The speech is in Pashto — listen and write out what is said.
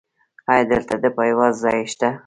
ایا دلته د پایواز ځای شته؟